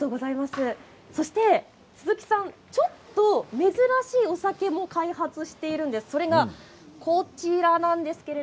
そして鈴木さんはちょっと珍しいお酒も開発しているんですそれがこちらです。